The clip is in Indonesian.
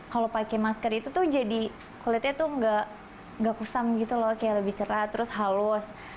kalau pakai masker itu tuh jadi kulitnya tuh gak kusam gitu loh kayak lebih cerah terus halus